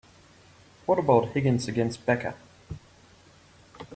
What about Higgins against Becca?